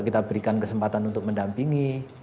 kita berikan kesempatan untuk mendampingi